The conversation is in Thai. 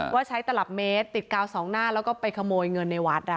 ว่าใช้ตลับเมตรติดกาวสองหน้าแล้วก็ไปขโมยเงินในวัด